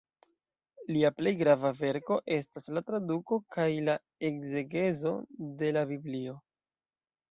Lia plej grava verko estas la traduko kaj la ekzegezo de la Biblio.